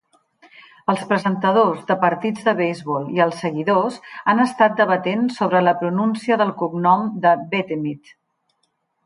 Els presentadors de partits de beisbol i els seguidors han estat debatent sobre la pronúncia del cognom de Betemit.